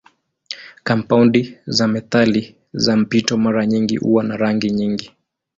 Kampaundi za metali za mpito mara nyingi huwa na rangi nyingi.